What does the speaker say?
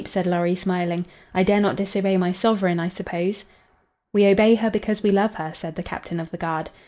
said Lorry, smiling. "I dare not disobey my sovereign, I suppose." "We obey her because we love her," said the captain of the guard.